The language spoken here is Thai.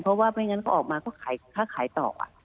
เพราะว่าไม่งั้นก็ออกมาก็ขายค่าขายต่อ